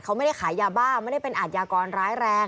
เขาไม่ได้ขายยาบ้าไม่ได้เป็นอาทยากรร้ายแรง